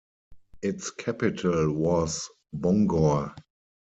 Its capital was Bongor.